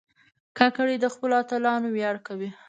کاکړي د خپلو اتلانو ویاړ کوي.